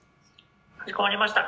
かしこまりました。